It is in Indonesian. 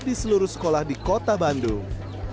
di seluruh sekolah di kota bandung